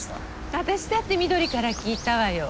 私だって翠から聞いたわよ。